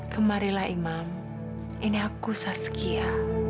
kemarilah imam ini aku saskia